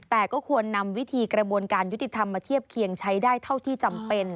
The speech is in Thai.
แต่ก็ควรนำวิธีกระบวนการยุติธรรมมาเทียบเคียงใช้ได้เท่าที่จำเป็น